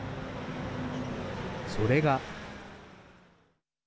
それが。